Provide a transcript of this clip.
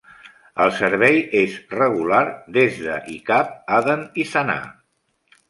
El servei és regular des de i cap a Aden i Sanà.